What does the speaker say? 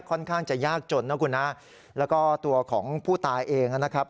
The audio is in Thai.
ค่อนข้างจะยากจนนะคุณฮะแล้วก็ตัวของผู้ตายเองนะครับ